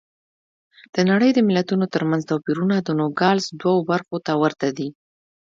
د نړۍ د ملتونو ترمنځ توپیرونه د نوګالس دوو برخو ته ورته دي.